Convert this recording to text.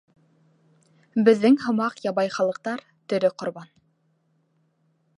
Беҙҙең һымаҡ ябай халыҡтар — тере ҡорбан.